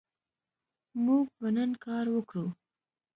موږ به نن کار وکړو